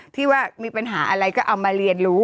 ที่ว่ามีปัญหาอะไรก็เอามาเรียนรู้